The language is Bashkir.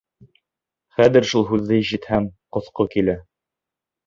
Хәҙер шул һүҙҙе ишетһәм ҡоҫҡо килә.